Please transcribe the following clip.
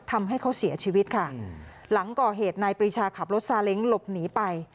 ทำให้เขาเสียชีวิตค่ะหลังก่อเหตุนายปรีชาขับรถซาเล้งหลบหนีไป